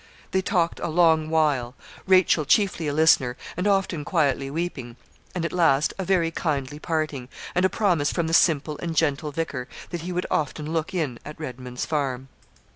They talked a long while Rachel chiefly a listener, and often quietly weeping; and, at last, a very kindly parting, and a promise from the simple and gentle vicar that he would often look in at Redman's Farm.